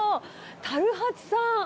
樽八さん。